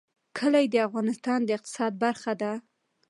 کلي د افغانستان د اقتصاد برخه ده.